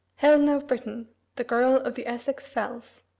HELENA OF BRITAIN: THE GIRL OF THE ESSEX FELLS.